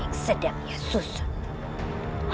yang sedang ia susun